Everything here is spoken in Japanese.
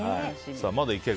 まだいける？